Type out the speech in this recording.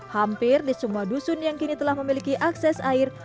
hampir di semua dusun yang kini telah memiliki akses air